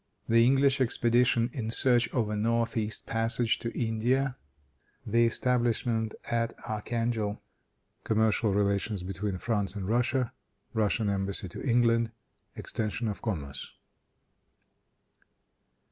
The English Expedition in Search of a North East Passage to India. The Establishment at Archangel. Commercial Relations Between France and Russia. Russian Embassy to England. Extension of Commerce.